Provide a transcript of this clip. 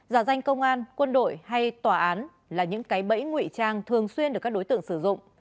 giả danh công an quân đội hay tòa án là những cái bẫy nguy trang thường xuyên được các đối tượng sử dụng